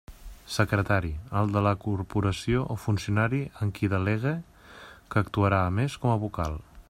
Secretari: el de la corporació o funcionari en qui delegue, que actuarà, a més, com a vocal.